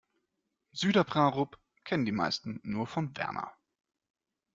Süderbrarup kennen die meisten nur von Werner.